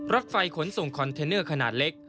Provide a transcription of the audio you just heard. รถไฟขนส่งคอนเทนเนอร์ขนาดเล็ก